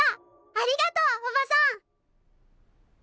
ありがとうおばさん！